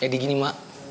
jadi gini mak